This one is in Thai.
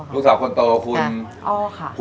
ลูกสาวคนโตครับ